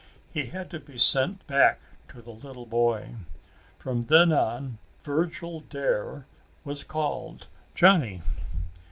He had to be sent back to the little boy. From then on Virgil Dare was called Johnny.